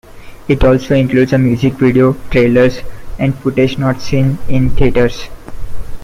It also includes a music video, trailers, and footage not seen in theaters.